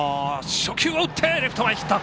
初球を打ってレフト前ヒット。